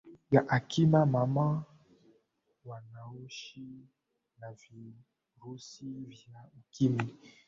ya akina mama wanaoshi na virusi vya ukimwi